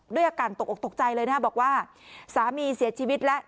ด้วยอาการตกออกตกใจเลยนะครับบอกว่าสามีเสียชีวิตแล้ว